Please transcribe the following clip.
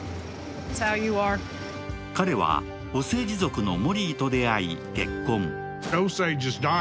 彼はオセージ族のモリーと出会い、結婚。